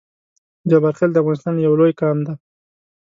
جبارخیل د افغانستان یو لوی قام دی